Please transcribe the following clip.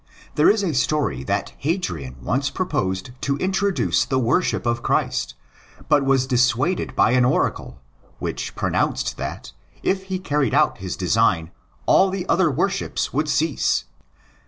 There is 8 story that Hadrian once proposed to introduce the worship of Christ, but was dissuaded by an oracle, which pronounced that, if he carried out his design, all the other worships would cease.